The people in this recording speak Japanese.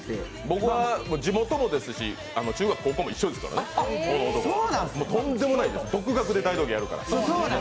僕は地元もですし中学、高校も一緒ですから、とんでもないです、独学で大道芸やるから。